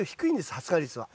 発芽率は。